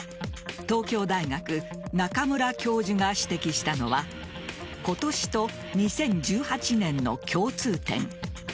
東京大学・中村教授が指摘したのは今年と２０１８年の共通点。